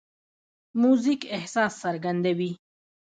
موزیک احساس څرګندوي.